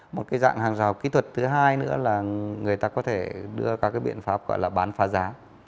một cái dạng hàng rào kỹ thuật thứ hai nữa là người ta có thể đưa các cái biện pháp gọi là bán phá giá